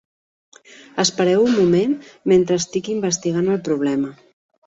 Espereu un moment mentre estic investigant el problema.